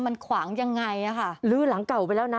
มันขวางยังไงอ่ะค่ะลื้อหลังเก่าไปแล้วนะ